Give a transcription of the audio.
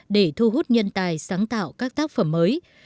để thu hút nhân tài sáng tạo các tác phẩm mới